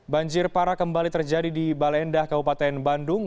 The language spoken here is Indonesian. banjir parah kembali terjadi di balendah kabupaten bandung